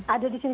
ada di sini